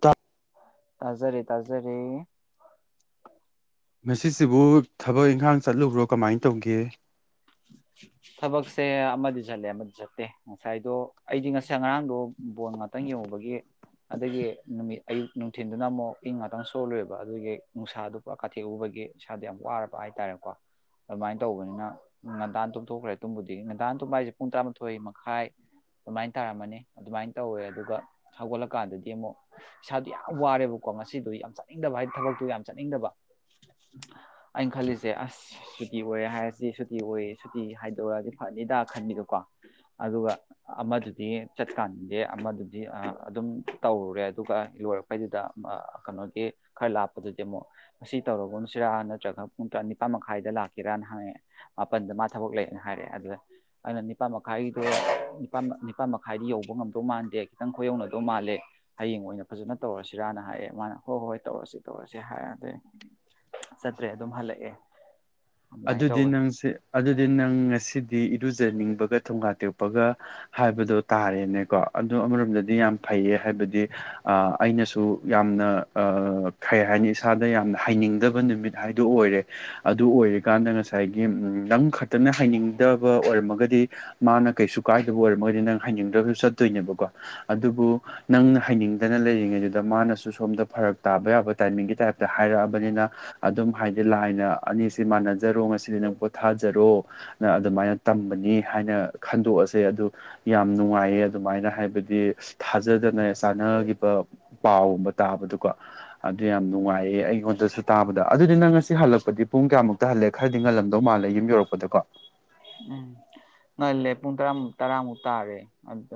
ꯇ [unintelligible] ꯇꯥꯖꯔꯦ ꯇꯥꯖꯔꯦ ꯉꯁꯤꯁꯤꯕꯨ ꯊꯕꯛ ꯏꯪꯈꯥꯡ ꯆꯠꯂꯨꯕ꯭ꯔꯣ ꯀꯃꯥꯏꯅ ꯇꯧꯒꯦ ꯊꯕꯛꯁꯦ ꯑꯃꯗꯤ ꯆꯠꯂꯦ ꯑꯃꯗꯤ ꯆꯠꯇꯦ ꯉꯁꯥꯏꯗꯣ ꯑꯩꯗꯤ ꯉꯁ ꯉꯔꯥꯡꯗꯣ ꯕꯣꯜ ꯉꯥꯇꯪ ꯌꯦꯡꯉꯨꯕꯒꯤ ꯑꯗꯒꯤ ꯅꯨꯃꯤꯠ ꯑꯌꯨꯛ ꯅꯨꯡꯊꯤꯟꯗꯨꯅ ꯑꯃꯨꯛ ꯏꯪ ꯉꯥꯇꯪ ꯁꯣꯜꯂꯨꯔꯦꯕ ꯑꯗꯨꯒꯤ ꯅꯨꯡꯁꯥꯗꯨ ꯄꯨꯔꯥ ꯀꯥꯊꯦꯛꯎꯕꯒꯤ ꯏꯁꯥꯗ ꯌꯥꯝ ꯋꯥꯔꯕ ꯍꯥꯏꯇꯥꯔꯦꯀꯣ ꯑꯗꯨꯃꯥꯏꯅ ꯇꯧꯕꯅꯤꯅ ꯉꯟꯇꯥꯟ ꯇꯣꯝꯊꯣꯛꯈ꯭ꯔꯦ ꯇꯨꯝꯕꯨꯗꯤ ꯉꯟꯇꯥꯟ ꯇꯨꯝꯕ ꯍꯥꯏꯁꯦ ꯄꯨꯡ ꯇꯔꯥꯃꯥꯊꯣꯏ ꯃꯈꯥꯏ ꯑꯗꯨꯃꯥꯏꯅ ꯇꯥꯔꯝꯃꯅꯤ ꯑꯗꯨꯃꯥꯏꯅ ꯇꯧꯋꯦ ꯑꯗꯨꯒ ꯍꯧꯒꯠꯂꯀꯥꯟꯗꯗꯤ ꯑꯃꯨꯛ ꯏꯁꯥꯗꯣ ꯌꯥꯝ ꯋꯥꯔꯦꯕꯀꯣ ꯉꯁꯤꯗꯣ ꯌꯥꯝ ꯆꯠꯅꯤꯡꯗꯕ ꯍꯥꯏꯗꯤ ꯊꯕꯛꯇꯨ ꯌꯥꯝ ꯆꯠꯅꯤꯡꯗꯕ ꯑꯩꯅ ꯈꯜꯂꯤꯁꯦ ꯑꯁ ꯁꯨꯇꯤ ꯑꯣꯏꯔꯦ ꯍꯥꯏꯔꯁꯤ ꯁꯨ ꯁꯨꯇꯤ ꯑꯣꯏꯌꯦ ꯁꯨꯇꯤ ꯍꯥꯏꯗꯣꯔꯛ ꯑꯗꯤ ꯐꯅꯤꯗ ꯈꯟꯕꯤꯗꯀꯣ ꯑꯗꯨꯒ ꯑꯃꯗꯨꯗꯤ ꯆꯠꯀꯥꯟꯗꯦ ꯑꯃꯗꯨꯗꯤ ꯑꯗꯨꯝ ꯇꯧꯔꯨꯔꯦ ꯑꯗꯨꯒ ꯂꯣꯏꯔ ꯄꯩꯗꯨꯗ ꯃ ꯀꯩꯅꯣꯒꯤ ꯈꯔ ꯂꯥꯞꯄꯗꯨꯗꯤ ꯑꯃꯨꯛ ꯉꯁꯤ ꯇꯧꯔꯒꯨꯝꯁꯤꯔꯥ ꯅꯠꯇ꯭ꯔꯒ ꯄꯨꯡ ꯇꯥ ꯅꯤꯄꯥꯟ ꯃꯈꯥꯏꯗ ꯂꯥꯛꯀꯦꯔꯅ ꯍꯥꯏꯌꯦ ꯃꯥꯄꯟꯗ ꯃꯥ ꯊꯕꯛ ꯂꯩꯌꯦꯅ ꯍꯥꯏꯔꯛꯑꯦ ꯑꯗꯨ ꯑꯩꯅ ꯅꯤꯄꯥꯟ ꯃꯈꯥꯏꯒꯤꯗꯣ ꯅꯤꯄꯥꯟ ꯅꯤꯄꯥꯟ ꯃꯈꯥꯏꯗꯤ ꯌꯧꯕ ꯉꯝꯗꯧ ꯃꯥꯟꯗꯦ ꯈꯤꯇꯪ ꯈꯣꯏꯌꯧꯅꯗꯧ ꯃꯥꯜꯂꯦ ꯍꯌꯦꯡ ꯑꯣꯏꯅ ꯐꯖꯅ ꯇꯧꯔꯁꯤꯔꯥꯅ ꯍꯥꯏꯌꯦ ꯃꯥꯅ ꯍꯣꯏ ꯍꯣꯏ ꯇꯧꯔꯁꯤ ꯇꯧꯔꯁꯤ ꯍꯥꯏ ꯑꯗꯩ ꯆꯠꯇ꯭ꯔꯦ ꯑꯗꯨꯝ ꯍꯜꯂꯛꯑꯦ ꯑꯗꯨꯃꯥꯏꯅ ꯑꯗꯨꯗꯤ ꯇꯧꯕꯅꯤ ꯅꯪꯁꯦ ꯑꯗꯨꯗꯤ ꯅꯪ ꯉꯁꯤꯗꯤ ꯏꯔꯨꯖꯅꯤꯡꯕꯒ ꯊꯣꯡꯒꯥ ꯇꯦꯛꯄꯒ ꯍꯥꯏꯕꯗꯣ ꯇꯥꯔꯦꯅꯦꯀꯣ ꯑꯗꯨ ꯑꯃꯔꯣꯝꯗꯗꯤ ꯌꯥꯝ ꯐꯩꯌꯦ ꯍꯥꯏꯕꯗꯤ ꯑ ꯑꯩꯅꯁꯨ ꯌꯥꯝꯅ ꯑ ꯀꯩ ꯍꯥꯏꯅꯤ ꯏꯁꯥꯗ ꯌꯥꯝꯅ ꯍꯩꯅꯤꯡꯗꯕ ꯅꯨꯃꯤꯠ ꯍꯥꯏꯗꯨ ꯑꯣꯏꯔꯦ ꯑꯗꯨ ꯑꯣꯏꯔꯤꯀꯥꯟꯗ ꯉꯁꯥꯏꯒꯤ ꯅꯪ ꯈꯇꯅ ꯍꯩꯅꯤꯡꯗꯕ ꯑꯣꯏꯔꯝꯃꯒꯗꯤ ꯃꯥꯅ ꯀꯩꯁꯨ ꯀꯥꯏꯗꯕ ꯑꯣꯏꯔꯝꯃꯒꯗꯤ ꯅꯪ ꯍꯩꯅꯤꯡꯗ꯭ꯔꯒꯁꯨ ꯆꯠꯇꯣꯏꯅꯦꯕꯀꯣ ꯑꯗꯨꯕꯨ ꯅꯪꯅ ꯍꯩꯅꯤꯡꯗꯅ ꯂꯩꯔꯤꯉꯩꯗꯨꯗ ꯃꯥꯅꯁꯨ ꯁꯣꯝꯗ ꯐꯔꯛ ꯇꯥꯕ ꯌꯥꯕ ꯇꯥꯏꯃꯤꯡꯒꯤ ꯇꯥꯏꯞꯇ ꯍꯥꯏꯔꯛꯑꯕꯅꯤꯅ ꯑꯗꯨꯝ ꯍꯥꯏꯗꯤ ꯂꯥꯏꯅ ꯑꯅꯤꯁꯤ ꯃꯥꯟꯅꯖꯔꯣ ꯉꯁꯤꯗꯤ ꯅꯪ ꯄꯣꯊꯥꯖꯔꯣ ꯅ ꯑꯗꯨꯃꯥꯏꯅ ꯇꯝꯕꯅꯤ ꯍꯥꯏꯅ ꯈꯟꯗꯣꯛꯑꯁꯦ ꯑꯗꯨ ꯌꯥꯝ ꯅꯨꯡꯉꯥꯏꯌꯦ ꯑꯗꯨꯃꯥꯏꯅ ꯍꯥꯏꯕꯗꯤ ꯊꯥꯖꯗꯅ ꯆꯥꯟꯅꯈꯤꯕ ꯄꯥꯎꯒꯨꯝꯕ ꯇꯥꯕꯗꯨ ꯀꯣ ꯑꯗꯨ ꯌꯥꯝ ꯅꯨꯡꯉꯥꯏꯌꯦ ꯑꯩꯉꯣꯟꯗꯁꯨ ꯇꯥꯕꯗ ꯑꯗꯨꯗꯤ ꯅꯪ ꯉꯁꯤ ꯍꯜꯂꯛꯄꯗꯤ ꯄꯨꯡ ꯀꯌꯥꯃꯨꯛ ꯇꯍꯜꯂꯦ ꯈꯔꯗꯤ ꯉꯜꯂꯝꯗꯧ ꯃꯥꯜꯂꯦ ꯌꯨꯝ ꯌꯧꯔꯛꯄꯗꯀꯣ ꯎꯝ ꯉꯜꯂꯦ ꯄꯨꯡ ꯇꯔꯥꯃꯛ ꯇꯔꯥꯃꯨꯛ ꯇꯥꯔꯦ ꯑꯗꯨ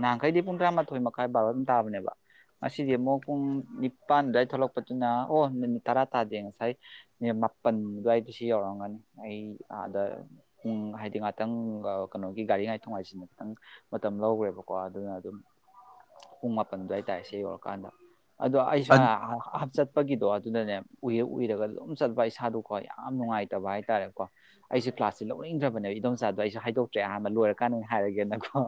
ꯉꯍꯥꯟꯈꯩꯗꯤ ꯄꯨꯡ ꯇꯔꯥꯃꯥꯊꯣꯏ ꯃꯈꯥꯏ ꯕꯥꯔꯣ ꯑꯗꯨꯝ ꯇꯥꯕꯅꯦꯕ ꯉꯁꯤꯗꯤ ꯑꯃꯨꯛ ꯄꯨꯡ ꯅꯤꯄꯥꯟ ꯗꯥꯏ ꯊꯣꯛꯂꯛꯄꯗꯨꯅ ꯑꯣ ꯃꯤꯅꯤꯠ ꯇꯔꯥ ꯇꯥꯗꯦ ꯉꯁꯥꯏ ꯅꯦꯃꯥꯄꯟ ꯗ꯭ꯋꯥꯏꯗ ꯁꯤ ꯌꯧꯔꯝꯒꯅꯤ ꯑꯩ ꯑꯥꯗ ꯎꯝ ꯍꯥꯏꯗꯤ ꯉꯥꯇꯪ ꯀꯩꯅꯣꯒꯤ ꯒꯥꯔꯤ ꯉꯥꯏ ꯊꯣꯛ ꯉꯥꯏꯁꯤꯅ ꯈꯤꯇꯪ ꯃꯇꯝ ꯂꯧꯈ꯭ꯔꯦꯕꯀꯣ ꯑꯗꯨꯅ ꯑꯗꯨꯝ ꯄꯨꯡ ꯃꯥꯄꯟ ꯑꯗꯨꯋꯥꯏ ꯇꯥꯔꯦ ꯁꯤ ꯌꯧꯔꯀꯥꯟꯗ ꯑꯗꯨ ꯑꯩꯁꯨ [unintelligible] ꯑꯠ ꯍꯥꯞꯆꯠ ꯆꯠꯄꯒꯤꯗꯣ ꯑꯗꯨꯅꯅꯦ ꯎꯏꯔ ꯎꯏꯔꯒ ꯑꯗꯨꯝ ꯆꯠꯄ ꯏꯁꯥꯗꯣꯀꯣ ꯌꯥꯝ ꯅꯨꯡꯉꯥꯏꯇꯕ ꯍꯥꯏꯇꯥꯔꯦꯀꯣ ꯑꯩꯁꯦ ꯀ꯭ꯂꯥꯁ ꯁꯤ ꯂꯧꯅꯤꯡꯗ꯭ꯔꯕꯅꯦꯕ ꯏꯗꯣꯝꯆꯥꯗꯣ ꯑꯩꯁꯨ ꯍꯥꯏꯗꯣꯛꯇ꯭ꯔꯦ ꯑꯍꯥꯟꯕ ꯂꯣꯏꯔꯀꯥꯟꯗ ꯑꯣꯏꯅ ꯍꯥꯏꯔꯒꯦꯅꯀꯣ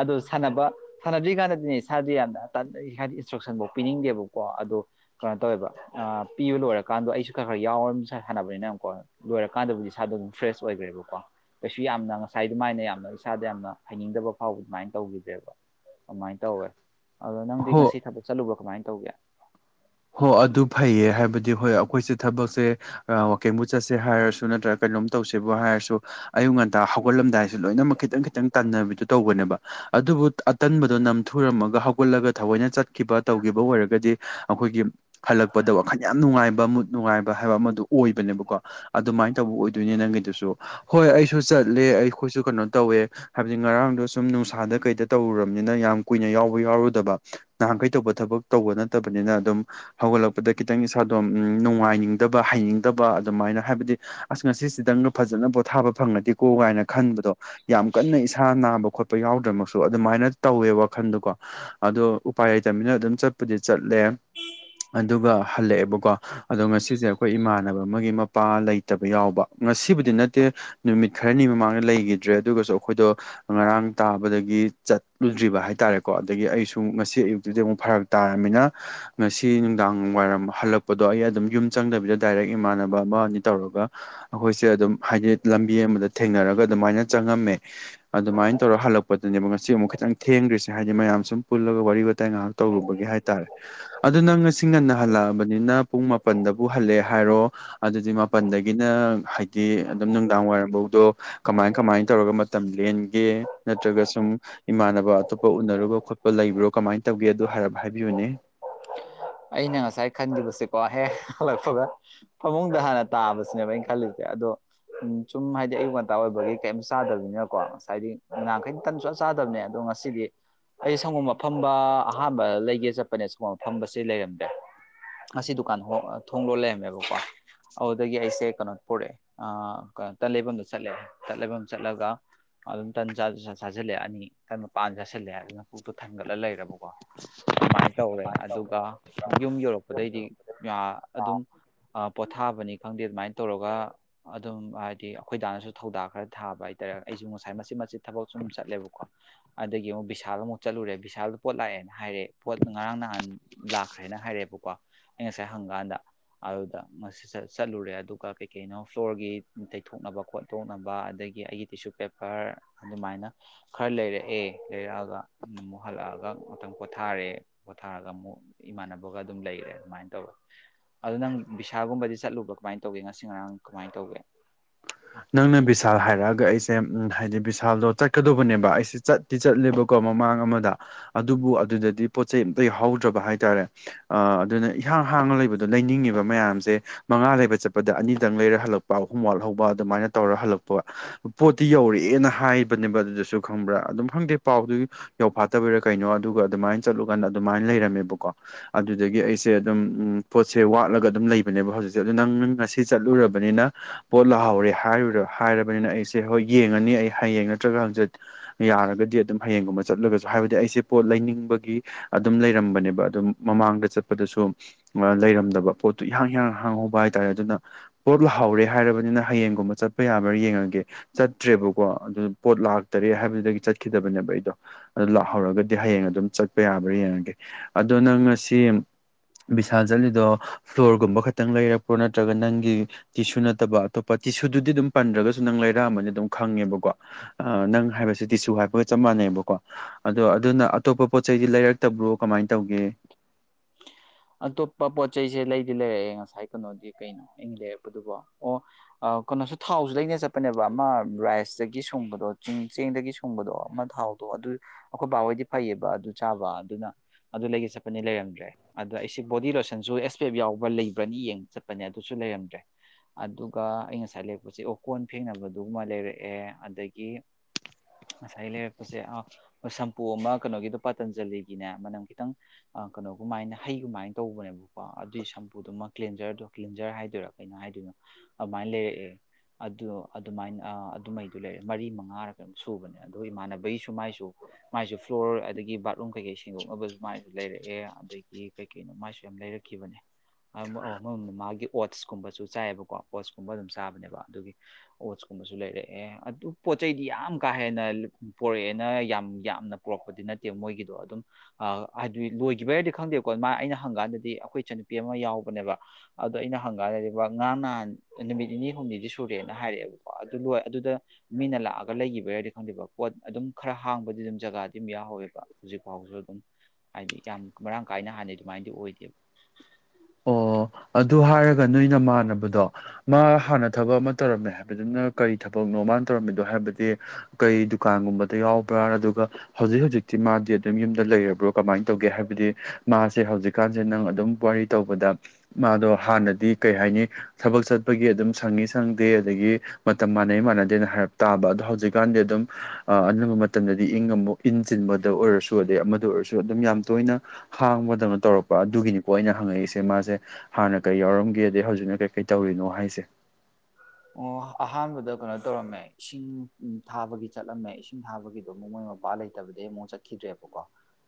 ꯑꯗꯣ ꯁꯥꯟꯅꯕ ꯁꯥꯟꯅꯗ꯭ꯔꯤ ꯀꯥꯟꯗꯗꯤꯅꯦ ꯏꯁꯥꯔꯗꯤ ꯌꯥꯝꯅ ꯇꯟ ꯍꯥꯏꯗꯤ ꯏꯟꯁꯇ꯭ꯔꯛꯁꯟꯐꯥꯎ ꯄꯤꯅꯤꯡꯗꯦꯕꯀꯣ ꯑꯗꯣ ꯀꯩꯅꯣ ꯇꯧꯋꯦꯕ ꯑ ꯄꯤꯕ ꯂꯣꯏꯔꯀꯥꯟꯗꯣ ꯑꯩꯁꯨ ꯈꯔ ꯈꯔ ꯌꯥꯎꯔ [unintelligible] ꯁꯥꯟꯅꯕꯅꯤꯅꯀꯣ ꯂꯣꯏꯔꯀꯥꯟꯗꯕꯨꯗꯤ ꯏꯁꯥꯗ ꯑꯗꯨꯝ ꯐ꯭ꯔꯦꯁ ꯑꯣꯏꯈ꯭ꯔꯦꯕꯀꯣ ꯀꯩꯁꯨ ꯌꯥꯝꯅ ꯉꯁꯥꯏ ꯑꯗꯨꯃꯥꯏꯅ ꯌꯥꯝꯅ ꯏꯁꯥꯗ ꯌꯥꯝꯅ ꯍꯩꯅꯤꯡꯗꯕ ꯐꯥꯎꯕ ꯑꯗꯨꯃꯥꯏꯅ ꯇꯧꯈꯤꯗ꯭ꯔꯦꯕ ꯑꯃꯥꯏꯅ ꯇꯧꯋꯦ ꯑꯗꯣ ꯅꯪꯗꯤ ꯍꯣ ꯉꯁꯤ ꯊꯕꯛ ꯆꯠꯂꯨꯕ꯭ꯔꯣ ꯀꯃꯥꯏꯅ ꯇꯧꯒꯦ ꯍꯣ ꯑꯗꯨ ꯐꯩꯌꯦ ꯍꯥꯏꯕꯗꯤ ꯍꯣꯏ ꯑꯩꯈꯣꯏꯁꯦ ꯊꯕꯛꯁꯦ ꯋꯥꯛꯀꯤꯡꯕꯨ ꯆꯠꯁꯦ ꯍꯥꯏꯔꯁꯨ ꯅꯠꯇ꯭ꯔꯒ ꯀꯩꯅꯣꯝ ꯇꯧꯁꯦꯕꯨ ꯍꯥꯏꯔꯁꯨ ꯑꯌꯨꯛ ꯉꯟꯇꯥ ꯍꯧꯒꯠꯂꯝꯗꯥꯏꯁꯤ ꯂꯣꯏꯅꯃꯛ ꯈꯤꯇꯪ ꯈꯤꯇꯪ ꯇꯟꯅꯕꯤꯗꯨ ꯇꯧꯕꯅꯦꯕ ꯑꯗꯨꯕꯨ ꯑꯇꯟꯕꯗꯣ ꯅꯝꯊꯨꯔꯝꯃꯒ ꯍꯧꯒꯠꯂꯒ ꯊꯑꯣꯏꯅ ꯆꯠꯈꯤꯕ ꯇꯧꯒꯤꯕ ꯑꯣꯏꯔꯒꯗꯤ ꯑꯩꯈꯣꯏꯒꯤ ꯍꯜꯂꯛꯄꯗ ꯋꯥꯈꯜ ꯌꯥꯝ ꯅꯨꯡꯉꯥꯏꯕ ꯃꯨꯠ ꯅꯨꯡꯉꯥꯏꯕ ꯍꯥꯏꯕ ꯑꯃꯗꯨ ꯑꯣꯏꯕꯅꯦꯕꯀꯣ ꯑꯗꯨꯃꯥꯏꯅ ꯇꯧꯕ ꯑꯣꯏꯗꯣꯏꯅꯦ ꯅꯪꯒꯤꯗꯨꯁꯨ ꯍꯣꯏ ꯑꯩꯁꯨ ꯆꯠꯂꯦ ꯑꯩꯈꯣꯏꯁꯨ ꯀꯩꯅꯣ ꯇꯧꯋꯦ ꯍꯥꯏꯕꯗꯤ ꯉꯔꯥꯡꯗꯣ ꯁꯨꯝ ꯅꯨꯡꯁꯥꯗ ꯀꯩꯗ ꯇꯧꯔꯨꯔꯝꯅꯤꯅ ꯌꯥꯝ ꯀꯨꯏꯅ ꯌꯥꯎꯕ ꯌꯥꯎꯔꯨꯗꯕ ꯅꯍꯥꯟꯈꯩ ꯇꯧꯕ ꯊꯕꯛ ꯇꯧꯕ ꯅꯠꯇꯕꯅꯤꯅ ꯑꯗꯨꯝ ꯍꯧꯒꯠꯂꯛꯄꯗ ꯈꯤꯇꯪ ꯏꯁꯥꯗꯣ ꯅꯨꯡꯉꯥꯏꯅꯤꯡꯗꯕ ꯍꯩꯅꯤꯡꯗꯕ ꯑꯗꯨꯃꯥꯏꯅ ꯍꯥꯏꯕꯗꯤ ꯑꯁ ꯉꯁꯤꯁꯤꯗꯪ ꯐꯖꯅ ꯄꯣꯊꯥꯕ ꯐꯪꯉꯗꯤꯀꯣ ꯀꯥꯏꯅ ꯈꯟꯕꯗꯣ ꯌꯥꯝ ꯀꯟꯅ ꯏꯁꯥ ꯅꯥꯕ ꯈꯣꯠꯄ ꯌꯥꯎꯗ꯭ꯔꯃꯛꯁꯨ ꯑꯗꯨꯃꯥꯏꯅ ꯇꯧꯋꯦ ꯋꯥꯈꯜꯗꯨꯀꯣ ꯑꯗꯣ ꯎꯄꯥꯏ ꯂꯩꯇꯝꯃꯤꯅ ꯑꯗꯨꯝ ꯆꯠꯄꯨꯗꯤ ꯆꯠꯂꯦ ꯑꯗꯨꯒ ꯍꯜꯂꯛꯑꯦꯕꯀꯣ ꯑꯗꯣ ꯉꯁꯤꯁꯦ ꯑꯩꯈꯣꯏ ꯏꯃꯥꯟꯅꯕ ꯑꯃꯒꯤ ꯃꯄꯥ ꯂꯩꯇꯕ ꯌꯥꯎꯕ ꯉꯁꯤꯕꯨꯗꯤ ꯅꯠꯇꯦ ꯅꯨꯃꯤꯠ ꯈꯔꯅꯤ ꯃꯃꯥꯡꯗ ꯂꯩꯈꯤꯗ꯭ꯔꯦ ꯑꯗꯨꯒꯁꯨ ꯑꯩꯈꯣꯏꯗꯣ ꯉꯔꯥꯡ ꯇꯥꯕꯗꯒꯤ ꯆꯠꯂꯨꯗ꯭ꯔꯤꯕ ꯍꯥꯏꯇꯥꯔꯦꯀꯣ ꯑꯗꯒꯤ ꯑꯩꯁꯨ ꯉꯁꯤ ꯑꯌꯨꯛꯇꯨꯗꯤ ꯑꯃꯨꯛ ꯐꯔꯛ ꯇꯥꯔꯕꯅꯤꯅ ꯉꯁꯤ ꯒꯤ ꯅꯨꯡꯗꯥꯡ ꯋꯥꯏꯔꯝ ꯍꯜꯂꯛꯄꯗꯣ ꯑꯩ ꯑꯗꯨꯝ ꯌꯨꯝ ꯆꯪꯗꯕꯤꯗ ꯗꯥꯏꯔꯦꯛ ꯏꯃꯥꯟꯅꯕ ꯑꯃ ꯑꯅꯤ ꯇꯧꯔꯒ ꯑꯩꯈꯣꯏꯁꯦ ꯑꯗꯨꯝ ꯍꯥꯏꯗꯤ ꯂꯝꯕꯤ ꯑꯃꯗ ꯊꯦꯡꯅꯔꯒ ꯑꯗꯨꯃꯥꯏꯅ ꯆꯪꯉꯝꯃꯦ ꯑꯗꯨꯃꯥꯏꯅ ꯇꯧꯔꯒ ꯍꯜꯂꯛꯄꯗꯅꯦꯕ ꯉꯁꯤ ꯑꯃꯨꯛ ꯈꯤꯇꯪ ꯊꯦꯡꯒ꯭ꯔꯤꯁꯦ ꯍꯥꯏꯗꯤ ꯃꯌꯥꯝ ꯁꯨꯝ ꯄꯨꯜꯂꯒ ꯋꯥꯔꯤ ꯋꯥꯇꯥꯏ ꯉꯥꯏꯍꯥꯛ ꯇꯧꯔꯨꯕꯒꯤ ꯍꯥꯏꯇꯥꯔꯦ ꯑꯗꯨ ꯅꯪ ꯉꯁꯤ ꯉꯟꯅ ꯍꯜꯂꯛꯑꯕꯅꯤꯅ ꯄꯨꯡ ꯃꯥꯄꯜꯗꯕꯨ ꯍꯜꯂꯦ ꯍꯥꯏꯔꯣ ꯑꯗꯨꯗꯤ ꯃꯥꯄꯜꯗꯒꯤꯅ ꯍꯥꯏꯗꯤ ꯑꯗꯨꯝ ꯅꯨꯡꯗꯥꯡ ꯋꯥꯏꯔꯝꯕꯎꯗꯣ ꯀꯃꯥꯏ ꯀꯃꯥꯏ ꯇꯧꯔꯒ ꯃꯇꯝ ꯂꯦꯟꯒꯦ ꯅꯠꯇ꯭ꯔꯒ ꯁꯨꯝ ꯏꯃꯥꯟꯅꯕ ꯑꯇꯣꯞꯄ ꯎꯅꯔꯨꯕ ꯈꯣꯠꯄ ꯂꯩꯕ꯭ꯔꯣ ꯀꯃꯥꯏꯅ ꯇꯧꯒꯦ ꯑꯗꯨ ꯍꯥꯏꯔꯞ ꯍꯥꯏꯕꯤꯌꯨꯅꯦ ꯑꯩꯅ ꯉꯁꯥꯏ ꯈꯟꯒꯤꯕꯁꯦꯀꯣ ꯍꯦꯛ ꯍꯜꯂꯛꯄꯒ ꯐꯃꯨꯡꯗ ꯍꯥꯟꯅ ꯇꯥꯕꯁꯤꯅꯦꯕ ꯑꯩꯅ ꯈꯜꯂꯤꯁꯦ ꯑꯗꯣ ꯎꯝ ꯁꯨꯝ ꯍꯥꯏꯗꯤ ꯑꯌꯨꯛ ꯉꯟꯇꯥ ꯑꯣꯏꯕꯒꯤ ꯀꯩꯏꯝ ꯆꯥꯗꯕꯅꯤꯅꯀꯣ ꯉꯁꯥꯏꯗꯤ ꯅꯍꯥꯟꯈꯩ ꯇꯟ ꯁꯨꯡꯆꯥ ꯆꯥꯗꯕꯅꯦ ꯑꯗꯣ ꯑꯁꯤꯗꯤ ꯑꯩ ꯁꯪꯒꯣꯝ ꯑꯐꯝꯕ ꯑꯍꯥꯟꯕ ꯂꯩꯒꯦ ꯆꯠꯄꯅꯦ ꯁꯪꯒꯣꯝ ꯑꯐꯝꯕꯁꯤ ꯂꯩꯔꯝꯗ꯭ꯔꯦ ꯉꯁꯤ ꯗꯨꯀꯥꯟ ꯊꯣꯡ ꯂꯣꯟ ꯂꯩꯔꯝꯃꯦꯕꯀꯣ ꯑꯗꯨꯗꯒꯤ ꯑꯩꯁꯦ ꯀꯩꯅꯣ ꯄꯨꯔꯛꯑꯦ ꯑ ꯇꯜ ꯂꯩꯕꯝꯗ ꯆꯠꯂꯦ ꯇꯜ ꯂꯩꯕꯝ ꯆꯠꯂꯒ ꯑꯗꯨꯝ ꯇꯟ ꯆꯥꯁꯤꯜꯂꯦ ꯑꯅꯤ ꯇꯟ ꯃꯄꯥꯛ ꯑꯅꯤ ꯆꯥꯁꯤꯜꯂꯦ ꯑꯗꯨꯅ ꯄꯨꯨꯛꯇꯣ ꯊꯟꯒꯠꯂ ꯂꯩꯔꯕꯀꯣ ꯑꯗꯨꯃꯥꯏꯅ ꯇꯧꯔꯦ ꯑꯗꯨꯒ ꯌꯨꯝ ꯌꯧꯔꯛꯄꯗꯩꯗꯤ ꯑꯗꯨꯝ ꯑꯥ ꯄꯣꯊꯥꯕꯅꯤ ꯈꯪꯗꯦ ꯑꯗꯨꯃꯥꯏꯅ ꯇꯧꯔꯒ ꯑꯗꯨꯝ ꯍꯥꯏꯗꯤ ꯑꯩꯈꯣꯏ ꯗꯥꯅꯁꯨ ꯊꯧꯗꯥ ꯈꯔ ꯊꯥꯕ ꯍꯥꯏꯇꯥꯔꯦ ꯑꯩꯁꯨ ꯉꯁꯥꯏ ꯃꯆꯤꯠ ꯃꯆꯤꯠ ꯊꯕꯛ ꯁꯨꯝ ꯆꯠꯂꯦꯕꯀꯣ ꯑꯗꯒꯤ ꯑꯃꯨꯛ ꯚꯤꯁꯥꯜ ꯑꯃꯨꯛ ꯆꯠꯂꯨꯔꯦ ꯚꯤꯁꯥꯜꯗ ꯄꯣꯠ ꯂꯥꯛꯑꯦꯅ ꯍꯥꯏꯔꯦ ꯄꯣꯠ ꯉꯔꯥꯡ ꯅꯍꯥꯟ ꯂꯥꯛꯈ꯭ꯔꯦꯅ ꯍꯥꯏꯔꯛꯑꯦꯕꯀꯣ ꯑꯩ ꯉꯁꯥꯏ ꯍꯪꯒꯥꯟꯗ ꯑꯗꯨꯗ ꯉꯁꯤ ꯆꯠꯂꯨꯔꯦ ꯑꯗꯨꯒ ꯀꯩ ꯀꯩꯅꯣ ꯐ꯭ꯂꯣꯔꯒꯤ ꯇꯩꯊꯣꯛꯅꯕ ꯈꯣꯠ ꯊꯣꯛꯅꯕ ꯑꯗꯒꯤ ꯑꯩꯒꯤ ꯇꯤꯁꯨ ꯄꯦꯄꯔ ꯑꯗꯨꯃꯥꯏꯅ ꯈꯔ ꯂꯩꯔꯛꯑꯦ ꯂꯩꯔꯛꯑꯒ ꯑꯃꯨꯛ ꯍꯜꯂꯛꯑꯒ ꯉꯥꯇꯪ ꯄꯣꯊꯥꯔꯦ ꯄꯣꯊꯥꯔꯒ ꯑꯃꯨꯛ ꯏꯃꯥꯟꯅꯕꯒ ꯑꯗꯨꯝ ꯂꯩꯔꯦ ꯑꯗꯨꯃꯥꯏꯅ ꯇꯧꯋꯦ ꯑꯗꯣ ꯅꯪ ꯚꯤꯁꯥꯒꯨꯝꯕꯗꯤ ꯆꯠꯂꯨꯕꯥ ꯀꯃꯥꯏꯅ ꯇꯧꯒꯦ ꯉꯁꯤ ꯉꯔꯥꯡ ꯀꯃꯥꯏꯅ ꯇꯧꯒꯦ ꯅꯪꯅ ꯚꯤꯁꯥꯜ ꯍꯥꯏꯔꯛꯑꯒ ꯑꯩꯁꯦ ꯍꯥꯏꯗꯤ ꯚꯤꯁꯥꯜꯗꯣ ꯆꯠꯀꯗꯧꯕꯅꯦꯕ ꯑꯩꯁꯦ ꯆꯠ ꯇꯤ ꯆꯠꯂꯦꯕꯀꯣ ꯃꯃꯥꯡ ꯑꯃꯗ ꯑꯗꯨꯕꯨ ꯑꯗꯨꯗꯗꯤ ꯄꯣꯠ ꯆꯩꯩ ꯑꯃꯝꯇ ꯌꯥꯎꯗ꯭ꯔꯕ ꯍꯥꯏꯇꯥꯔꯦ ꯑꯗꯨꯅ ꯏꯍꯥꯡ ꯍꯥꯡꯅ ꯂꯩꯕꯗꯣ ꯂꯩꯅꯤꯡꯉꯤꯕ ꯃꯌꯥꯝꯁꯦ ꯃꯉꯥ ꯂꯩꯕ ꯆꯠꯄꯗ ꯑꯅꯤꯗꯪ ꯂꯩꯔ ꯍꯜꯂꯛꯄ ꯑꯍꯨꯝ ꯋꯥꯠꯍꯧꯕ ꯑꯗꯨꯃꯥꯏꯅ ꯇꯧꯔ ꯍꯜꯂꯛꯄ ꯄꯣꯠꯇꯤ ꯌꯧꯔꯛꯑꯦꯅ ꯍꯥꯏꯕꯅꯦꯕ ꯑꯗꯨꯗꯁꯨ ꯈꯪꯕ꯭ꯔꯥ ꯑꯗꯨꯝ ꯈꯪꯗꯦ ꯄꯥꯎꯗꯨ ꯌꯧꯐꯥꯠꯇꯕꯩꯔꯥ ꯀꯩꯅꯣ ꯑꯗꯨꯒ ꯑꯗꯨꯃꯥꯏꯅ ꯆꯠꯂꯨꯀꯥꯟꯗ ꯑꯗꯨꯃꯥꯏꯅ ꯂꯩꯔꯝꯃꯦꯕꯀꯣ ꯑꯗꯨꯗꯒꯤ ꯑꯩꯁꯦ ꯑꯗꯨꯝ ꯄꯣꯠꯁꯦ ꯋꯥꯠꯂꯒ ꯑꯗꯨꯝ ꯂꯩꯕꯅꯦꯕ ꯍꯧꯖꯤꯛꯁꯦ ꯑꯗꯨ ꯅꯪ ꯉꯁꯤ ꯆꯠꯂꯨꯔꯕꯅꯤꯅ ꯄꯣꯠ ꯂꯥꯛꯍꯧꯔꯦ ꯍꯥꯏꯔ ꯍꯥꯏꯔꯕꯅꯤꯅ ꯑꯩꯁꯦ ꯍꯣꯏ ꯌꯦꯡꯉꯅꯤ ꯑꯩ ꯍꯌꯦꯡ ꯅꯠꯇ꯭ꯔꯒ ꯍꯪꯆꯤꯠ ꯌꯥꯔꯒꯗꯤ ꯑꯗꯨꯝ ꯍꯌꯦꯡꯒꯨꯝꯕ ꯆꯠꯂꯒꯁꯨ ꯍꯥꯏꯕꯗꯤ ꯑꯩꯁꯦ ꯄꯣꯠ ꯂꯩꯅꯤꯡꯕꯒꯤ ꯑꯗꯨꯝ ꯂꯩꯔꯝꯕꯅꯦꯕ ꯑꯗꯨꯝ ꯃꯃꯥꯡꯗ ꯆꯠꯄꯗꯁꯨ ꯂꯩꯔꯝꯗꯕ ꯄꯣꯠꯇꯨ ꯏꯍꯥꯡ ꯍꯍꯥꯡ ꯍꯥꯡꯍꯧꯕ ꯍꯥꯏꯇꯥꯔꯦ ꯑꯗꯨꯅ ꯄꯣꯠ ꯂꯍꯥꯎꯔꯦ ꯍꯥꯏꯔꯕꯅꯤꯅ ꯍꯌꯦꯡ ꯆꯠꯄ ꯌꯥꯕ꯭ꯔꯥ ꯌꯦꯡꯉꯒꯦ ꯆꯠꯇ꯭ꯔꯦꯕꯀꯣ ꯑꯗꯨ ꯄꯣꯠ ꯂꯥꯛꯇꯔꯦ ꯍꯥꯏꯕꯗꯨꯗꯒꯤ ꯆꯠꯈꯤꯗꯕꯅꯦꯕ ꯑꯩꯗꯣ ꯑꯗꯨ ꯂꯥꯛꯍꯧꯔꯒꯗꯤ ꯍꯌꯦꯡ ꯑꯗꯨꯝ ꯆꯠꯄ ꯌꯥꯕ꯭ꯔꯥ ꯌꯦꯡꯉꯒꯦ ꯑꯗꯣ ꯅꯪ ꯉꯁꯤ ꯕꯤꯁꯥꯜꯖꯠꯂꯤꯗꯣ ꯐ꯭ꯂꯣꯔꯒꯨꯝꯕ ꯈꯛꯇꯪ ꯂꯩꯔꯛꯄ꯭ꯔꯣ ꯅꯠꯇ꯭ꯔꯒ ꯅꯪꯒꯤ ꯇꯤꯁꯨ ꯅꯠꯇꯕ ꯑꯇꯣꯞꯄ ꯇꯤꯁꯨꯗꯨ ꯑꯗꯨ ꯑꯗꯨꯝ ꯄꯟꯗ꯭ꯔꯒꯁꯨ ꯅꯪ ꯂꯩꯔꯛꯑꯝꯕꯅꯤ ꯑꯗꯨꯝ ꯈꯪꯉꯦꯕꯀꯣ ꯑ ꯅꯪ ꯍꯥꯏꯕꯁꯤ ꯇꯤꯁꯨ ꯍꯥꯏꯄꯒ ꯆꯞ ꯃꯥꯟꯅꯩꯕꯀꯣ ꯑꯗꯣ ꯑꯗꯨꯅ ꯑꯇꯣꯞꯄ ꯄꯣꯠ ꯆꯩꯩꯗꯤ ꯂꯩꯔꯛꯇꯕ꯭ꯔꯣ ꯀꯃꯥꯏꯅ ꯇꯧꯒꯦ ꯑꯇꯣꯞꯄ ꯄꯣꯠ ꯆꯩꯁꯦ ꯂꯩꯗꯤ ꯂꯩꯔꯛꯑꯦ ꯉꯁꯥꯏ ꯀꯩꯅꯣꯗꯤ ꯀꯩꯅꯣ ꯑꯩꯪ ꯂꯩꯔꯛꯄꯗꯨꯕꯣ ꯑꯣ ꯀꯩꯅꯣꯁꯨ ꯊꯥꯎꯁꯨ ꯂꯩꯅ ꯆꯠꯄꯅꯦꯕ ꯑꯃ ꯔꯥꯏꯁꯇꯒꯤ ꯁꯨꯡꯕꯗꯣ ꯆꯤꯡ ꯆꯦꯡꯗꯒꯤ ꯁꯨꯡꯕꯗꯣ ꯑꯃ ꯊꯥꯎ ꯑꯣ ꯑꯗꯨ ꯑꯩꯈꯣꯏ ꯕꯥꯍꯣꯏꯗꯤ ꯐꯩꯌꯦꯕ ꯑꯗꯨ ꯆꯥꯕ ꯑꯗꯨꯅ ꯑꯗꯨ ꯂꯩꯒꯦ ꯆꯠꯄꯅꯤ ꯂꯩꯔꯝꯗ꯭ꯔꯦ ꯑꯗ ꯑꯩꯁꯦ ꯕꯣꯗꯤ ꯔꯣꯁꯟꯁꯨ ꯑꯦꯁ ꯄꯤ ꯑꯦꯐ ꯌꯥꯎꯕ ꯂꯩꯕ꯭ꯔꯅꯤ ꯌꯦꯡꯕ ꯆꯠꯄꯅꯦ ꯑꯗꯨꯁꯨ ꯂꯩꯔꯝꯗ꯭ꯔꯦ ꯑꯗꯨꯒ ꯑꯩ ꯉꯁꯥꯏ ꯂꯦꯛꯄꯁꯦ ꯑꯣꯀꯣꯟ ꯐꯦꯡꯅꯕꯗꯨꯒꯨꯝꯃ ꯂꯩꯔꯛꯑꯦ ꯑꯗꯒꯤ ꯉꯁꯥꯏ ꯂꯩꯔꯛꯄꯁꯦ ꯑ ꯁꯝꯄꯨ ꯑꯃ ꯀꯩꯅꯣꯒꯤꯗꯣ ꯄꯥꯇꯟꯖꯂꯤꯒꯤꯅꯦ ꯃꯅꯝꯒꯤ ꯇꯪ [unintelligible] [inaudible] ꯀꯩꯅꯣꯒꯃꯥꯏꯅ ꯍꯩꯒꯃꯥꯏꯅ ꯇꯧꯕꯅꯦꯕꯀꯣ ꯑꯗꯨꯏ ꯁꯝꯄꯨꯗꯨꯣꯃ ꯀ꯭ꯟꯖꯔꯗꯣ ꯀ꯭ꯂꯤꯟꯖꯔ ꯍꯥꯏꯗꯣꯏꯔꯥ ꯀꯩꯅꯣ ꯍꯥꯏꯗꯣꯏꯅꯣ ꯑ ꯃꯅꯤ [inaudible] ꯑꯗꯨ ꯑꯗꯨꯃꯥꯏꯅ ꯑꯗꯨꯃꯩꯗꯨ ꯂꯩꯔꯦ ꯃꯔꯤ ꯃꯉꯥꯔꯝ ꯁꯨꯕꯅꯦ ꯑꯗꯨꯒ ꯏꯃꯥꯟꯅꯕꯒꯤꯁꯨ ꯃꯥꯏꯁꯨ ꯃꯥꯏꯁꯨ ꯐ꯭ꯂꯣꯔ ꯑꯗꯒꯤ ꯕꯥꯠꯔꯨꯝ ꯀꯩꯀꯩ ꯁꯦꯡꯗꯣꯛꯅꯕ ꯃꯥꯏꯁꯨ ꯂꯩꯔꯛꯑꯦ ꯑꯗꯒꯤ ꯀꯩ ꯀꯩꯅꯣ ꯃꯥꯏꯁꯨ ꯌꯥꯝ ꯂꯩꯔꯛꯈꯤꯕꯅꯦ ꯑꯃꯃꯝ ꯃꯥꯒꯤ ꯑꯣꯠꯁꯀꯨꯝꯕꯁꯨ ꯆꯥꯏꯑꯕꯀꯣ ꯑꯣꯠꯁꯀꯨꯝꯕ ꯑꯗꯨꯝ ꯆꯥꯕꯅꯦꯕ ꯑꯗꯨꯒꯤ ꯑꯣꯠꯁ ꯀꯨꯝꯕꯁꯨ ꯂꯩꯔꯛꯑꯦ ꯑꯗꯨ ꯄꯣꯠ ꯆꯩꯗꯤ ꯌꯥꯝ ꯀꯥ ꯍꯦꯟꯅ ꯄꯣꯔꯛꯑꯦꯅ ꯌꯥꯝ ꯌꯥꯝꯅ ꯄꯂꯛꯄꯗꯤ ꯅꯠꯇꯦ ꯃꯣꯏꯒꯤꯗꯣ ꯑꯗꯨꯝ ꯑ ꯍꯥꯏꯗꯤ ꯂꯣꯏꯈꯤꯕ ꯍꯥꯏꯔꯗꯤ ꯈꯪꯗꯦꯕꯀꯣ ꯃꯥ ꯑꯩꯅ ꯍꯪꯀꯥꯟꯗꯗꯤ ꯑꯩꯈꯣꯏ ꯏꯆꯟꯅꯨꯄꯤ ꯑꯃ ꯌꯥꯎꯕꯅꯦꯕ ꯑꯗꯨꯗꯣ ꯑꯩꯅ ꯍꯪꯒꯗꯕ ꯉꯔꯥꯡ ꯅꯍꯥꯟ ꯅꯨꯃꯤꯠ ꯅꯤꯅꯤ ꯍꯨꯝꯅꯤꯗꯤ ꯁꯨꯔꯦꯅ ꯍꯥꯏꯔꯛꯑꯦꯕꯀꯣ ꯑꯗꯨ ꯂꯣꯏ ꯑꯗꯨꯗ ꯃꯤꯅ ꯂꯥꯛꯑꯒ ꯂꯩꯈꯤꯕ ꯌꯥꯔꯗꯤ ꯈꯪꯗꯦꯕ ꯄꯣꯠ ꯑꯗꯨꯝ ꯈꯔ ꯍꯥꯡꯕꯗꯤ ꯑꯗꯨꯝ ꯖꯒꯥꯗꯤ ꯑꯗꯨꯝ ꯌꯥꯎꯍꯧꯋꯦꯕ ꯍꯧꯖꯤꯛꯐꯥꯎꯁꯨ ꯑꯗꯨꯝ ꯍꯥꯏꯗꯤ ꯌꯥꯝ ꯃꯔꯥꯡ ꯀꯥꯏꯅ ꯍꯥꯟꯅ ꯑꯗꯨꯃꯥꯏꯅꯗꯤ ꯑꯣꯏꯗꯦꯕ ꯑꯣ ꯑꯗꯨ ꯍꯥꯏꯔꯒ ꯅꯣꯏꯅꯃꯥꯟꯅꯕꯗꯣ ꯃꯥ ꯍꯥꯟꯅ ꯊꯕꯛ ꯑꯃ ꯇꯧꯔꯝꯃꯦ ꯍꯥꯏꯕꯗꯨꯅ ꯀꯔꯤ ꯊꯕꯛꯅꯣ ꯃꯥꯅ ꯇꯧꯔꯝꯃꯤꯗꯣ ꯍꯥꯏꯕꯗꯤ ꯀꯩ ꯗꯨꯀꯥꯟꯒꯨꯝꯕꯗ ꯌꯥꯎꯕ꯭ꯔꯥ ꯑꯗꯨꯒ ꯍꯧꯖꯤꯛ ꯍꯧꯖꯤꯛꯇꯤ ꯃꯥꯗꯤ ꯑꯗꯨꯝ ꯌꯨꯝꯗ ꯂꯩꯔꯕ꯭ꯔꯣ ꯀꯃꯥꯏꯅ ꯇꯧꯒꯦ ꯍꯥꯏꯕꯗꯤ ꯃꯥꯁꯦ ꯍꯧꯖꯤꯛꯀꯥꯟꯁꯦ ꯅꯪ ꯑꯗꯨꯝ ꯋꯥꯔꯤ ꯇꯧꯕꯗ ꯃꯥꯗꯣ ꯍꯥꯟꯅꯗꯤ ꯀꯩ ꯍꯥꯏꯅꯤ ꯊꯕꯛ ꯆꯠꯄꯒꯤ ꯑꯗꯨꯝ ꯁꯪꯉꯤ ꯁꯪꯗꯦ ꯑꯗꯒꯤ ꯃꯇꯝ ꯃꯥꯟꯅꯩ ꯃꯥꯟꯅꯗꯦꯅ ꯍꯥꯏꯔꯞ ꯇꯥꯕ ꯑꯗꯣ ꯍꯧꯖꯤꯛꯀꯥꯟꯗꯤ ꯑꯗꯨꯝ ꯑ ꯑꯅꯝꯕ ꯃꯇꯝꯗꯗꯤ ꯏꯪ ꯑꯃ ꯏꯟ ꯆꯤꯟꯕꯗ ꯑꯣꯏꯔꯁꯨ ꯑꯗꯩ ꯑꯃꯗ ꯑꯣꯏꯔꯁꯨ ꯑꯗꯨꯝ ꯌꯥꯝ ꯇꯣꯏꯅ ꯍꯥꯡꯕꯗ ꯇꯧꯔꯛꯄ ꯑꯗꯨꯒꯤꯅꯤꯀꯣ ꯑꯩꯅ ꯍꯪꯉꯛꯏꯁꯦ ꯃꯥꯁꯦ ꯍꯥꯟꯅ ꯀꯩ ꯌꯥꯎꯔꯝꯒꯦ ꯑꯗꯩ ꯍꯧꯖꯤꯛꯅ ꯀꯩꯀꯩ ꯇꯧꯔꯤꯅꯣ ꯍꯥꯏꯁꯦ ꯑꯣ ꯑꯍꯥꯟꯕꯗ ꯀꯩꯅꯣ ꯇꯧꯔꯝꯃꯦ ꯏꯁꯤꯡ ꯊꯥꯕꯒꯤ ꯆꯠꯂꯝꯃꯦ ꯁꯤꯡ ꯊꯥꯕꯒꯤꯗꯣ ꯑꯃꯨꯛ ꯃꯣꯏ ꯃꯄꯥ ꯂꯩꯇꯕꯗꯤ ꯑꯃꯨꯛ ꯆꯠꯈꯤꯗ꯭ꯔꯦꯕꯀꯣ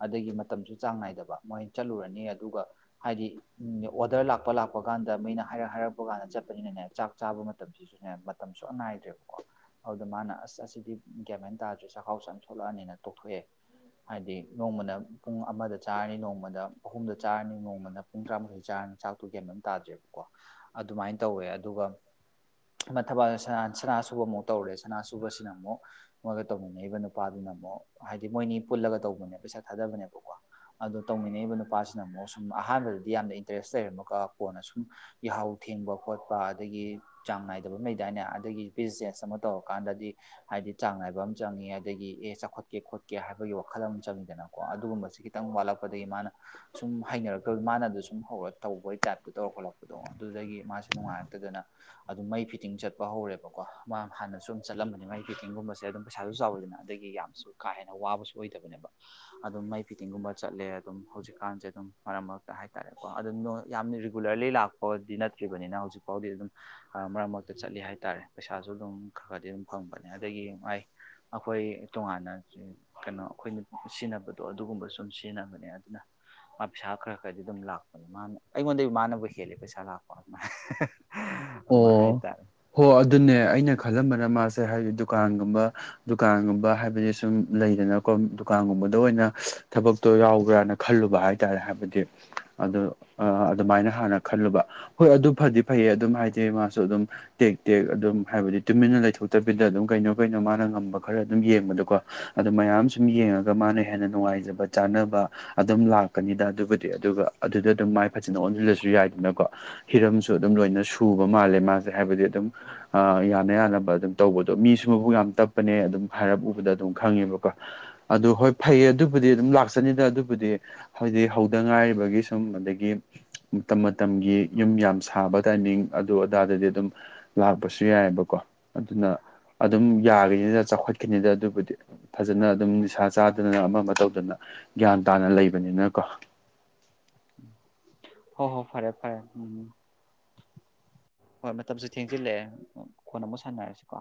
ꯑꯗꯒꯤ ꯃꯇꯝꯁꯨ ꯆꯥꯡ ꯅꯥꯏꯗꯕ ꯃꯣꯏꯅ ꯆꯠꯂꯨꯔꯅꯤ ꯑꯗꯨꯒ ꯍꯥꯏꯗꯤ ꯎ ꯑꯣꯗꯔ ꯂꯥꯛꯄ ꯂꯥꯛꯄ ꯀꯥꯟꯗ ꯃꯩꯅ ꯍꯥꯏꯔꯛ ꯍꯥꯏꯔꯛꯄ ꯀꯥꯟꯗ ꯆꯠꯄꯅꯤꯅꯅꯦ ꯆꯥꯛ ꯆꯥꯕ ꯃꯇꯝꯁꯤꯁꯨꯅꯦ ꯃꯇꯝ ꯁꯨꯑ ꯅꯥꯏꯗ꯭ꯔꯦꯕꯀꯣ ꯑꯗꯨꯗ ꯃꯥꯅ ꯑꯁ ꯑꯁꯤꯗꯤ ꯀꯒꯃꯥꯏꯅ ꯇꯥꯗ꯭ꯔꯦ ꯆꯈꯥꯎ ꯆꯝ ꯊꯣꯛꯂꯛꯑꯅꯤꯅ ꯇꯣꯛꯊꯣꯛꯑꯦ ꯍꯥꯏꯗꯤ ꯅꯣꯡꯃꯅ ꯄꯨꯡ ꯑꯃꯗ ꯆꯥꯔꯅꯤ ꯅꯣꯡꯃꯗ ꯑꯍꯨꯝꯗ ꯆꯥꯔꯅꯤ ꯅꯣꯡꯃꯅ ꯄꯨꯡ ꯇꯔꯥꯃꯊꯩ ꯆꯥꯔꯅ ꯆꯥꯛꯇꯨ ꯀꯦꯟꯕꯝ ꯇꯥꯗ꯭ꯔꯦꯕꯀꯣ ꯑꯗꯨꯃꯥꯏꯅ ꯇꯧꯋꯦ ꯑꯗꯨꯒ ꯑꯃ ꯊꯕꯛ ꯁꯅꯥꯁꯨꯕ ꯑꯃꯨꯛ ꯇꯧꯔꯦ ꯁꯅꯥꯁꯨꯕꯁꯤꯅ ꯑꯃꯨꯛ ꯃꯣꯏꯒ ꯇꯧꯃꯤꯟꯅꯏꯕ ꯅꯨꯄꯥꯗꯨꯅ ꯑꯃꯨꯛ ꯍꯥꯏꯗꯤ ꯃꯣꯏꯅꯤ ꯄꯨꯜꯂꯒ ꯇꯧꯕꯅꯦ ꯄꯩꯁꯥ ꯊꯥꯗꯕꯅꯦꯕꯀꯣ ꯑꯗꯣ ꯇꯧꯃꯤꯟꯅꯕ ꯅꯨꯄꯥꯁꯤꯅ ꯑꯃꯨꯛ ꯁꯨꯝ ꯑꯍꯥꯟꯕꯗꯗꯤ ꯌꯥꯝꯅ ꯏꯟꯇꯔꯦꯁ ꯂꯩꯔꯝ ꯑꯃꯨꯀ ꯀꯣꯟꯅ ꯁꯨꯝ ꯌꯥꯍꯥꯎ ꯊꯦꯡꯕ ꯈꯣꯠꯄ ꯑꯗꯒꯤ ꯆꯥꯡ ꯅꯥꯏꯗꯕ ꯃꯩꯗꯥꯏꯅꯦ ꯑꯗꯒꯤ ꯕꯤꯖꯤꯅꯦꯁ ꯑꯃ ꯇꯧꯔꯀꯥꯟꯗꯗꯤ ꯍꯥꯏꯗꯤ ꯆꯥꯡ ꯅꯥꯏꯕ ꯑꯃ ꯆꯪꯏꯦ ꯑꯗꯒꯤ ꯑꯦ ꯆꯥꯎꯈꯠꯀꯦ ꯈꯣꯠꯀꯦ ꯍꯥꯏꯕꯒꯤ ꯋꯥꯈꯜ ꯑꯃ ꯆꯪꯏꯤꯗꯅ ꯀꯣ ꯑꯗꯨꯒꯨꯝꯕꯁꯤ ꯈꯤꯇꯪ ꯋꯥꯠꯂꯛꯄꯗꯒꯤ ꯃꯥꯅ ꯁꯨꯝ ꯍꯩꯅꯔꯛꯇꯕ ꯃꯥꯅ ꯑꯗꯨ ꯁꯨꯝ ꯍꯧ ꯇꯧꯕꯒꯤ ꯇꯥꯏꯞꯇꯣ ꯇꯧꯔ ꯈꯣꯠꯂꯛꯄꯗꯣ ꯑꯗꯨꯗꯒꯤ ꯃꯥꯁꯦ ꯅꯨꯡꯉꯥꯏꯔꯛꯇꯗꯅ ꯑꯗꯨꯝ ꯃꯩ ꯐꯤꯠꯇꯤꯡ ꯆꯠꯄ ꯍꯧꯔꯦꯕꯀꯣ ꯃꯥ ꯍꯥꯟꯅꯁꯨ ꯑꯗꯨꯝ ꯆꯠꯂꯝꯕꯅꯤ ꯃꯩ ꯐꯤꯠꯇꯤꯡꯒꯨꯝꯕꯁꯦ ꯑꯗꯨꯝ ꯄꯩꯁꯥꯁꯨ ꯆꯥꯎꯋꯤꯗꯅ ꯑꯗꯒꯤ ꯌꯥꯝꯁꯨ ꯀꯥ ꯍꯦꯟꯅ ꯋꯥꯕꯁꯨ ꯑꯣꯏꯗꯕꯅꯦꯕ ꯑꯗꯨꯝ ꯃꯩ ꯐꯤꯠꯇꯤꯡꯒꯨꯝꯕ ꯆꯠꯂꯦ ꯑꯗꯨꯝ ꯍꯧꯖꯤꯛꯀꯥꯟꯁꯦ ꯑꯗꯨꯝ ꯃꯔꯛ ꯃꯔꯛꯇ ꯍꯥꯏꯇꯥꯔꯦꯀꯣ ꯑꯗꯨꯝ ꯌꯥꯝꯅ ꯔꯤꯒꯨꯂꯔꯂꯤ ꯂꯥꯛꯄꯗꯤ ꯅꯠꯇ꯭ꯔꯤꯕꯅꯤꯅ ꯍꯧꯖꯤꯛ ꯐꯥꯎꯗꯤ ꯑꯗꯨꯝ ꯃꯔꯛ ꯃꯔꯛꯇ ꯆꯠꯂꯤ ꯍꯥꯏꯇꯥꯔꯦ ꯄꯩꯁꯥꯁꯨ ꯑꯗꯨꯝ ꯈꯔ ꯈꯔꯗꯤ ꯑꯗꯨꯝ ꯐꯪꯕꯅꯦ ꯑꯗꯒꯤ ꯉꯥꯏ ꯑꯩꯈꯣꯏ ꯇꯣꯉꯥꯟꯅ ꯀꯩꯅꯣ ꯑꯩꯈꯣꯏꯅ ꯁꯤꯖꯤꯟꯅꯕꯗꯣ ꯑꯗꯨꯒꯨꯝꯕ ꯁꯨꯝ ꯑꯗꯨꯨꯝ ꯁꯤꯖꯤꯟꯅꯕꯅꯦ ꯑꯗꯨꯅ ꯃꯥ ꯄꯩꯁꯥ ꯈꯔ ꯈꯔꯗꯤ ꯑꯗꯨꯝ ꯂꯥꯛꯄꯅꯦ ꯃꯥꯅ ꯑꯩꯉꯣꯟꯗ ꯃꯥꯅꯕꯨ ꯍꯦꯜꯂꯦ ꯄꯩꯁꯥ ꯂꯥꯛꯄ ꯑꯗꯨ ꯑꯣ ꯍꯣ ꯑꯗꯨꯅꯦ ꯑꯩꯅ ꯈꯜꯂꯝꯕꯅ ꯃꯥꯁꯦ ꯍꯥꯏꯗꯤ ꯗꯨꯀꯥꯟꯒꯨꯝꯕ ꯗꯨꯀꯥꯟꯒꯨꯝꯕ ꯍꯥꯏꯕꯗꯤ ꯁꯨꯝ ꯂꯩꯗꯅꯀꯣ ꯗꯨꯀꯥꯟꯒꯨꯝꯕꯗ ꯑꯣꯏꯅ ꯊꯕꯛ ꯇꯣ ꯌꯥꯎꯕ꯭ꯔꯅ ꯈꯜꯂꯨꯕ ꯍꯥꯏꯇꯥꯔꯦ ꯍꯥꯏꯕꯗꯤ ꯑꯗꯨ ꯑꯗꯨꯃꯥꯏꯅ ꯍꯥꯟꯅ ꯈꯜꯂꯨꯕ ꯍꯣꯏ ꯑꯗꯨ ꯐꯗꯤ ꯐꯩꯌꯦ ꯑꯗꯨꯝ ꯍꯥꯏꯗꯤ ꯃꯥꯁꯨ ꯑꯗꯨꯝ ꯇꯦꯛ ꯇꯦꯛ ꯑꯗꯨꯝ ꯍꯥꯏꯕꯗꯤ ꯇꯨꯃꯤꯟꯅ ꯂꯩꯊꯣꯛꯇꯕꯤꯗ ꯑꯗꯨꯝ ꯀꯩꯅꯣ ꯀꯩꯅꯣ ꯃꯥꯅ ꯉꯝꯕ ꯈꯔ ꯑꯗꯨꯝ ꯌꯦꯡꯕꯗꯣꯀꯣ ꯑꯗꯨ ꯃꯌꯥꯝ ꯁꯨꯝ ꯌꯦꯡꯉꯒ ꯃꯥꯅ ꯍꯦꯟꯅ ꯅꯨꯡꯉꯥꯏꯖꯕ ꯆꯥꯅꯕ ꯑꯗꯨꯝ ꯂꯥꯛꯀꯅꯤꯗ ꯑꯗꯨꯕꯨꯗꯤ ꯑꯗꯨꯒ ꯑꯗꯨꯗ ꯑꯗꯨꯝ ꯃꯥꯏ ꯐꯖꯅ ꯑꯣꯟꯁꯤꯜꯂꯁꯨ ꯌꯥꯏꯗꯅꯀꯣ ꯍꯤꯔꯝꯁꯨ ꯑꯗꯨꯝ ꯂꯣꯏꯅ ꯁꯨꯕ ꯃꯥꯜꯂꯦ ꯃꯥꯁꯦ ꯍꯥꯏꯕꯗꯤ ꯑꯗꯨꯝ ꯑ ꯌꯥꯅ ꯌꯥꯅꯕ ꯑꯗꯨꯝ ꯇꯧꯕꯗꯣ ꯃꯤꯁꯨ ꯃꯕꯨ ꯌꯥꯝ ꯇꯞꯄꯅꯦ ꯑꯗꯨꯝ ꯍꯥꯏꯔꯞ ꯎꯕꯗ ꯑꯗꯨꯝ ꯈꯪꯉꯦꯕꯀꯣ ꯑꯗꯨ ꯍꯣꯏ ꯐꯩꯌꯦ ꯑꯗꯨꯕꯨꯗꯤ ꯑꯗꯨꯝ ꯂꯥꯛꯆꯅꯤꯗ ꯑꯗꯨꯕꯨꯗꯤ ꯍꯧꯗꯤ ꯍꯧꯗ ꯉꯥꯏꯔꯤꯕꯒꯤ ꯁꯨꯝ ꯑꯗꯒꯤ ꯃꯇꯝ ꯃꯇꯝꯒꯤ ꯌꯨꯝ ꯌꯥꯝ ꯁꯥꯕ ꯇꯥꯏꯃꯤꯡ ꯑꯗꯨ ꯑꯗꯥꯗꯗꯤ ꯑꯗꯨꯝ ꯂꯥꯛꯄꯁꯨ ꯌꯥꯏꯑꯦꯕꯀꯣ ꯑꯗꯨꯅ ꯑꯗꯨꯝ ꯌꯥꯈꯤꯅꯤꯗ ꯆꯥꯎꯈꯠꯈꯤꯅꯤꯗ ꯑꯗꯨꯕꯨꯗꯤ ꯐꯖꯅ ꯑꯗꯨꯝ ꯅꯤꯁꯥ ꯆꯥꯗꯅ ꯑꯃ ꯑꯃ ꯇꯧꯗꯅ ꯒ꯭ꯌꯥꯟ ꯇꯥꯅ ꯂꯩꯕꯅꯤꯅꯀꯣ ꯍꯣ ꯍꯣ ꯐꯔꯦ ꯐꯔꯦ ꯎꯝ ꯍꯣꯏ ꯃꯇꯝꯁꯨ ꯊꯦꯡꯖꯤꯜꯂꯛꯑꯦ ꯀꯣꯟꯅ ꯑꯃꯨꯛ ꯁꯥꯟꯅꯔꯁꯤ ꯀꯣ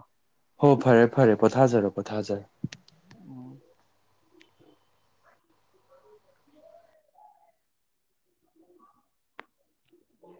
ꯍꯣ ꯐꯔꯦ ꯐꯔꯦ ꯄꯣꯊꯥꯖꯔꯣ ꯄꯣꯊꯥꯖꯔꯣ ꯎꯝ [inaudible]